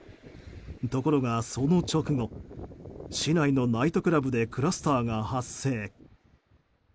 ところが、その直後市内のナイトクラブでクラスターが発生。